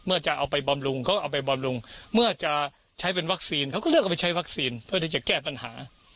จะเอาไปบำรุงเขาก็เอาไปบำรุงเมื่อจะใช้เป็นวัคซีนเขาก็เลือกเอาไปใช้วัคซีนเพื่อที่จะแก้ปัญหา